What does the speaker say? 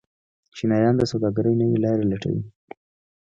چینایان د سوداګرۍ نوې لارې لټوي.